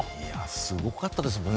すごかったですもんね